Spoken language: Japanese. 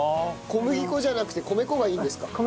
小麦粉じゃなくて米粉がいいんですか？